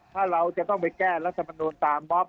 ถ้าเราจะต้องไปแก้รัฐมนุนตามมอบ